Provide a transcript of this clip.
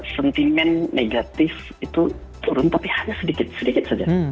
sentimen negatif itu turun tapi hanya sedikit sedikit saja